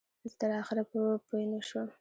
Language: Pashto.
زه تر آخره پوی نه شوم.